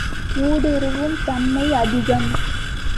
ஊடுருவும் தன்மை அதிகம்.